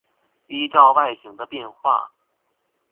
依照外形的變化